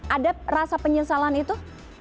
ada rasa penyesalan itu